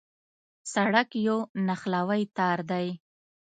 سړک یو نښلوی تار دی.